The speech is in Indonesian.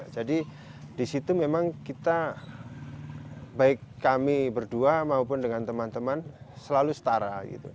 jadi di situ memang kita baik kami berdua maupun dengan teman teman selalu setara